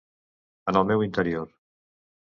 En el meu interior.